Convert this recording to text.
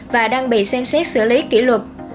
và đang bị xem xét xử lý kỷ luật